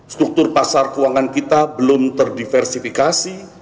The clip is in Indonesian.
struktur pasar keuangan kita belum terdiversifikasi